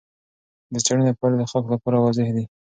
د څېړنې پایلې د خلکو لپاره واضح دي.